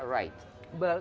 ini sedikit salju